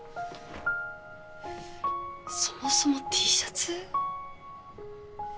そもそもＴシャツ？